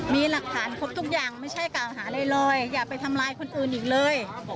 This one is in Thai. มีหลักฐานครบทุกอย่างไม่ใช่กล่าวหาอะไรเลยอย่าไปทำร้ายคนอื่นอีกเลย